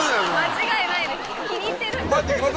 間違いないです。